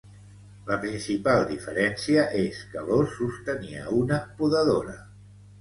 La principal diferència és que l'os sostenia una podadora.